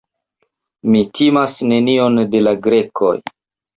Mi timas nenion de la Grekoj.